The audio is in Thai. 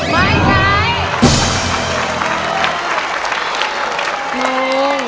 ไม่ใช้